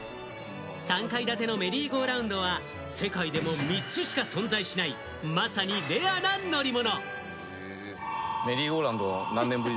３階建てのメリーゴーラウンドは、世界でも３つしか存在しない、まさにレアな乗り物。